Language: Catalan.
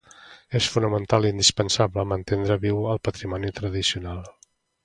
és fonamental i indispensable mantendre viu el patrimoni tradicional